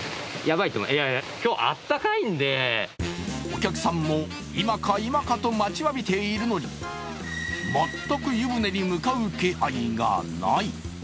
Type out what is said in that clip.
お客さんも今か今かと待ちわびているのに、全く湯船に向かう気配がない。